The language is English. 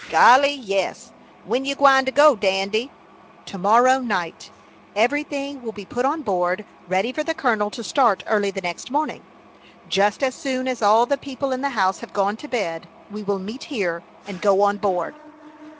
"Golly yes; when you gwine to go, Dandy?" "To morrow night. Every thing will be put on board, ready for the colonel to start early the next morning. Just as soon as all the people in the house have gone to bed, we will meet here, and go on board."